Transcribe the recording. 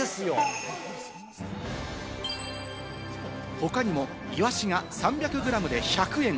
他にも、イワシが３００グラムで１００円。